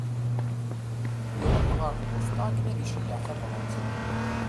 Iruḥ ɣer lbuṣta akken ad iceyyeε tabrat.